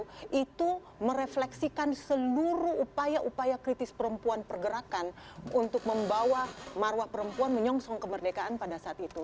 jadi kita harus merefleksikan seluruh upaya upaya kritis perempuan pergerakan untuk membawa marwah perempuan menyongsong kemerdekaan pada saat itu